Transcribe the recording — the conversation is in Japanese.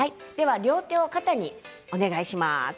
両手を肩にお願いします。